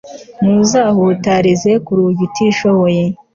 ntuzahutarize ku rugi utishoboye